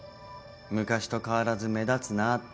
昔と変わらず目立つなって。